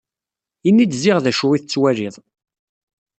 Ini-d ziɣ d acu i tettwaliḍ.